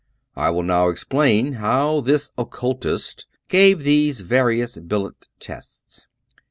I will now explain how this " occultist " gave these vari ous billet tests.